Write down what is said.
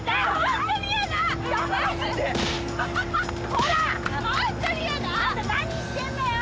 こら！あんた何してんのよ！